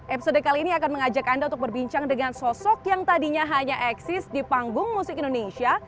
episode kali ini akan mengajak anda untuk berbincang dengan sosok yang tadinya hanya eksis di panggung musik indonesia